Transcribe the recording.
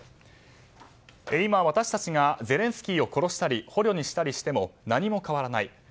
今、私たちがゼレンスキーを殺したり捕虜にしたりしても何も変わらない。